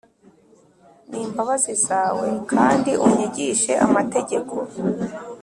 N imbabazi zawe kandi unyigishe amategeko